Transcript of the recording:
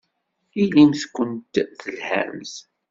Ilimt-kent telhamt.